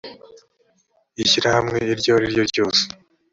ishyirahamwe iryo ari ryo ryose rifite